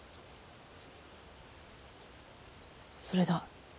それだ。